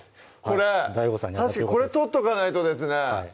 これ確かにこれ取っとかないとですね